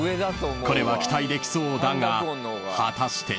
［これは期待できそうだが果たして］